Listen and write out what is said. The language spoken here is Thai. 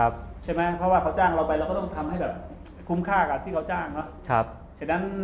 เพราะว่าเขาจ้างเราไปเราก็ต้องทำให้คุ้มค่ากับที่เขาจ้าง